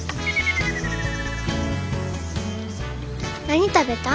「何食べた？